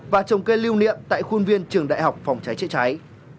và trồng cây lưu niệm tại khuôn viên trường đại học phòng cháy chữa cháy